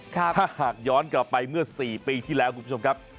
ถ้าหากย้อนกลับไปเมื่อ๔ปีที่แล้วคุณผู้ชมครับ